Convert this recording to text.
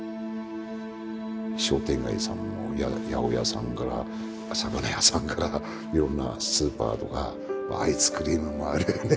商店街さんも八百屋さんから魚屋さんからいろんなスーパーとかアイスクリームもあるよね